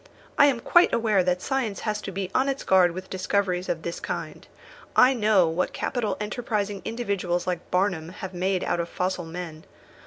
I am quite aware that science has to be on its guard with discoveries of this kind. I know what capital enterprising individuals like Barnum have made out of fossil men.